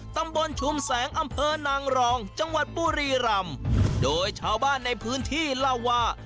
ตำบลชุมแสงอำเภอนางรองจังหวัดบุรีรำโดยชาวบ้านในพื้นที่เล่าว่า